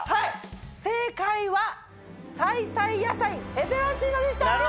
正解は彩々野菜ペペロンチーノでした！